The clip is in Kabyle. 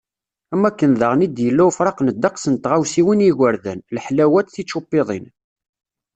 Am wakken daɣen i d-yella ufraq n ddeqs n tɣawsiwin i yigerdan, leḥlawat, tičupiḍin.